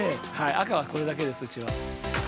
赤はこれだけです、うちは。